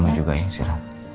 mama juga ya istirahat